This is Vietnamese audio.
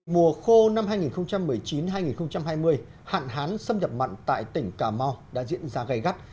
mùa khô năm hai nghìn một mươi chín hai nghìn hai mươi hạn hán xâm nhập mặn tại tỉnh cà mau đã diễn ra gây gắt